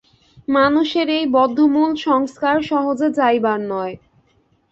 মানুষের এই বদ্ধমূল সংস্কার সহজে যাইবার নয়।